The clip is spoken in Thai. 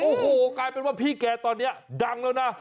โอ้โหกลายเป็นว่าพี่แกตอนนี้ดังแล้วนะ